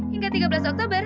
hingga tiga belas oktober